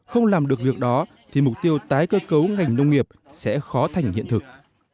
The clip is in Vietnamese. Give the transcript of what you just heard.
không làm được việc đó thì mục tiêu tái cơ cấu ngành nông nghiệp sẽ khó thành hiện thực